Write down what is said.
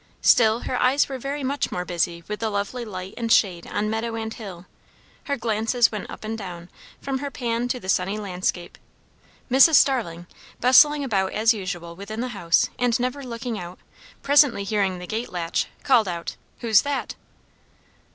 Still her eyes were very much more busy with the lovely light and shade on meadow and hill; her glances went up and down, from her pan to the sunny landscape. Mrs. Starling, bustling about as usual within the house and never looking out, presently hearing the gate latch, called out "Who's that?"